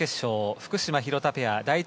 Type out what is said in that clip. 福島、廣田ペア第１